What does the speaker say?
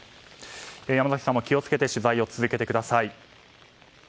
山崎さんも気を付けて取材を続けてください。